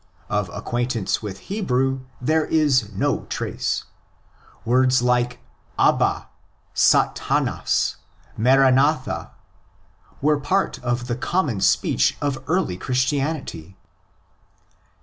Of acquaintance with Hebrew there is no trace. Words like '' Abba," '' Satanas,'' '' Maranatha,'' were part of the common speech of early Christianity.